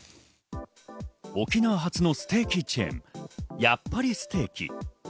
沖縄初のステーキチェーン、やっぱりステーキ。